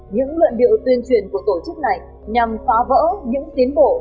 những luận điệu tuyên truyền của tổ chức này nhằm phá vỡ những tiến bộ